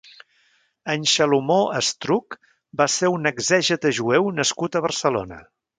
En Xelomó Astruc va ser un exègeta jueu nascut a Barcelona.